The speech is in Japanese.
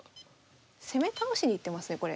攻め倒しに行ってますねこれ。